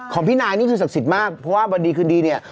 พี่นายนี่คือศักดิ์สิทธิ์มากเพราะว่าวันดีคืนดีเนี่ย